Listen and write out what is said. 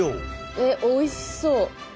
えっおいしそう！